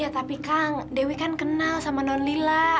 tapi kang dewi tahu nona lila